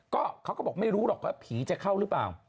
ก็เขาก็บอกไม่รู้หรอกว่าผีจะเข้าหรือเปล่า